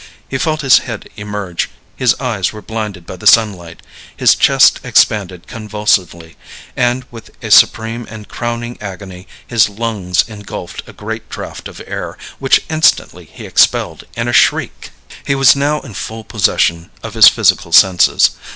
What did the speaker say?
He felt his head emerge; his eyes were blinded by the sunlight; his chest expanded convulsively, and with a supreme and crowning agony his lungs engulfed a great draft of air, which instantly he expelled in a shriek. He was now in full possession of his physical senses.